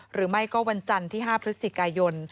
หรือไม่ก็วันจันทร์ที่๕พฤศจิกายน